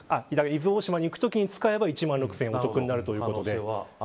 伊豆大島に行くときに使えば１万６０００円が得になるとことです。